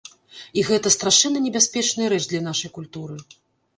І гэта страшэнна небяспечная рэч для нашай культуры.